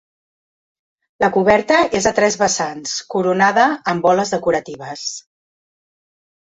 La coberta és a tres vessants, coronada amb boles decoratives.